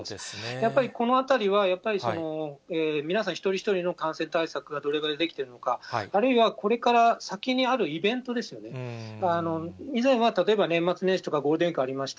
やっぱりこのあたりは、皆さん一人一人の感染対策がどれぐらいできてるのか、あるいはこれから先にあるイベントですよね、以前は例えば年末年始とか、ゴールデンウィークありました。